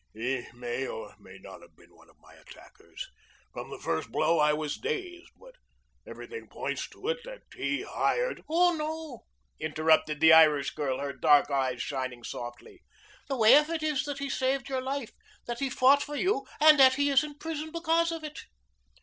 "He may or may not have been one of my attackers. From the first blow I was dazed. But everything points to it that he hired " "Oh, no!" interrupted the Irish girl, her dark eyes shining softly. "The way of it is that he saved your life, that he fought for you, and that he is in prison because of it."